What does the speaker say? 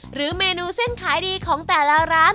หรือเมนูเส้นขายดีของแต่ละร้าน